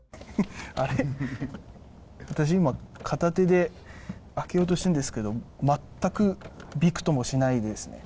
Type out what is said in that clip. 私、今片手で開けようとしているんですけど全くびくともしないですね。